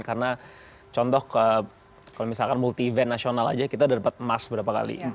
karena contoh kalau misalkan multi event nasional aja kita udah dapat emas berapa kali